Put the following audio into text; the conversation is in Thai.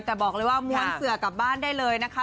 แต่บอกเลยว่าม้วนเสือกลับบ้านได้เลยนะคะ